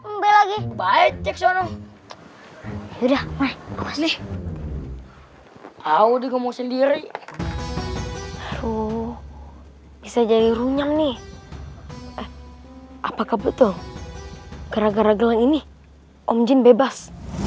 mau sendiri bisa jadi runyam nih apakah betul gara gara gelang ini omjin bebas